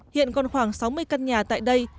hiện còn khoảng sáu mươi căn nhà tại đây đang phát triển